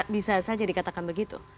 bisa saja dikatakan begitu